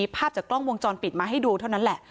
ภาพจากกล้องวงจรปิดมาให้ดูเท่านั้นแหละ